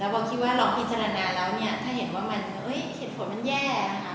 บอมคิดว่าเราพิจารณาแล้วเนี่ยถ้าเห็นว่ามันเหตุผลมันแย่นะคะ